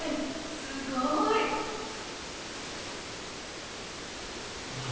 すごい！はあ。